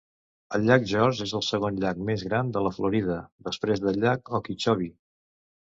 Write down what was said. El llac George és el segon llac més gran de la Florida, després del llac Okeechobee.